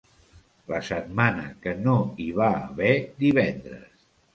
La setmana que no hi va haver divendres.